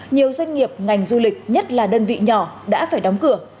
nhiều doanh nghiệp ngành du lịch nhất là đơn vị nhỏ đã phải đóng cửa